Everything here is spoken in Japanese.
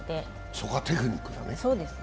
そこはテクニックだね。